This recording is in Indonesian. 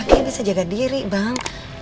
dia bisa jaga diri bang